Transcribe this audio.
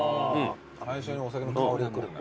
最初にお酒の香りがくるんだ。